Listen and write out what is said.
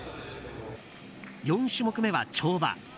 ４種目めは跳馬。